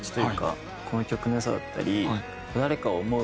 この曲の良さだったり誰かを思う